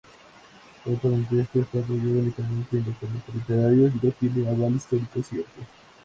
Tal parentesco está apoyado únicamente en documentos literarios y no tiene aval histórico cierto.